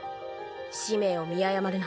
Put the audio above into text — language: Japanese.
使命を見誤るな。